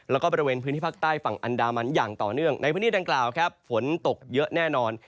แล้วก็บริเวณพื้นที่ภาคใต้ฝั่งอันดามันอย่างต่อเนื่องในพื้นที่ดังกล่าวครับฝนตกเยอะแน่นอน